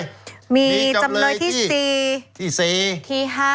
จำเลยที่๔